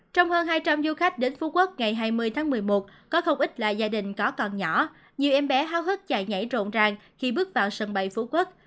trong hơn hai trăm linh du khách đến phú quốc ngày hai mươi tháng một mươi một có không ít là gia đình có còn nhỏ nhiều em bé háo hức chạy nhảy rộn ràng khi bước vào sân bay phú quốc